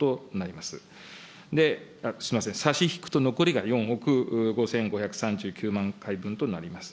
で、すみません、差し引くと、残りが４億５５３９万回分となります。